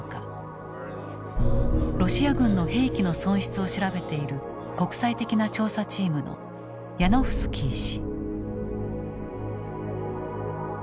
ロシア軍の兵器の損失を調べている国際的な調査チームのヤノフスキー氏。